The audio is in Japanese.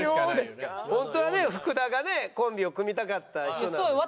ホントはね福田がねコンビを組みたかった人なんですけどね。